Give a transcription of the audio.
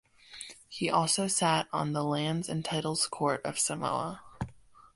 He has also sat on the Lands and Titles Court of Samoa.